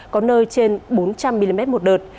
có nơi trên bốn trăm linh mm một đợt